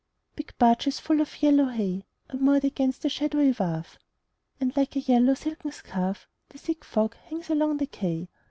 Big barges full of yellow hay Are moored against the shadowy wharf, And, like a yellow silken scarf, The thick fog hangs along the quay.